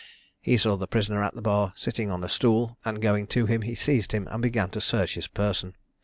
He saw the prisoner at the bar sitting on a stool, and going to him, he seized him and began to search his person.